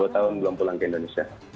sepuluh tahun belum pulang ke indonesia